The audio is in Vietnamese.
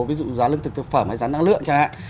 ví dụ giá lương thực thực phẩm hay giá năng lượng